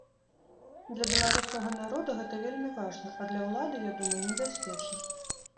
Для беларускага народа гэта вельмі важна, а для ўлады, я думаю, небяспечна.